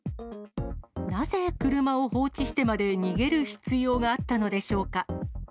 なぜ、車を放置してまで逃げる必要があったのでしょうか。